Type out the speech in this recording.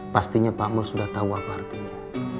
pastinya pak mul sudah tahu apa artinya